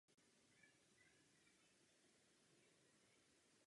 Společně žijí v Los Angeles.